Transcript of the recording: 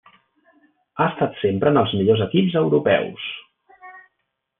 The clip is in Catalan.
Ha estat sempre en els millors equips Europeus.